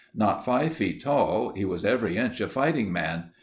Not five feet tall, he was every inch a fighting man.